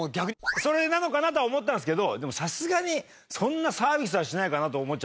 それなのかな？とは思ったんですけどでもさすがにそんなサービスはしないかなと思っちゃったんですけど。